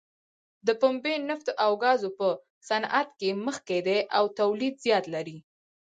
د پنبې، نفتو او ګازو په صنعت کې مخکې دی او تولید زیات لري.